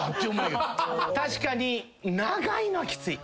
確かに長いのきつい。